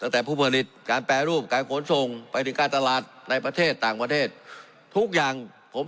ทุกเรื่อง